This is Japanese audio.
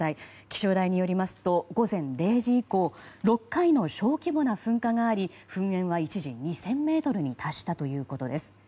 気象台によりますと午前０時以降６回の小規模な噴火があり噴煙は一時２０００ｍに達したということです。